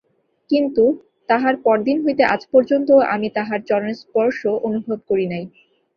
কিন্তু তাহার পরদিন হইতে আজ পর্যন্তও আমি তাহার চরণস্পর্শ অনুভব করি নাই।